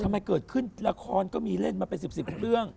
ทำไมเกิดขึ้นละครก็มีเล่นมาเป็น๑๐เรื่อง